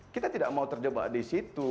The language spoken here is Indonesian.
kita tidak mau terjebak disitu